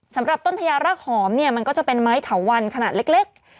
สำหรับต้นพญารากหอมเนี่ยมันก็จะเป็นไม้เถาวันขนาดเล็ก